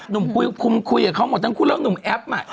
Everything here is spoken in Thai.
หนุ่มคุยกับเขาหมดแล้วคุยเรื่องหนุ่มแอปมาก